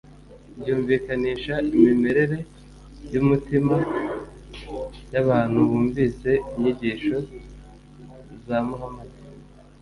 “ryumvikanisha imimerere y’umutima y’abantu bumvise inyigisho za muhamadi.”